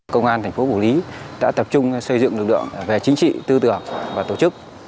công an tp hcm đã tập trung xây dựng lực lượng về chính trị tư tưởng và tổ chức